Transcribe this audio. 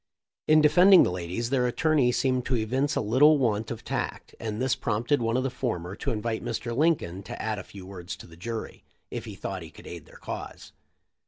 In defending the ladies their attorney seemed to evince a little want of tact, and this prompted one of the former to invite Mr. Lincoln to add a few words to the jury, if he thought he could aid their cause.